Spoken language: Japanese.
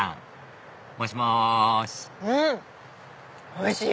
おいしい！